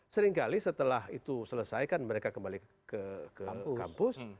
seringkali setelah itu selesaikan mereka kembali ke kampus